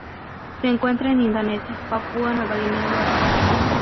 Se encuentra en Indonesia, Papúa Nueva Guinea y Australia.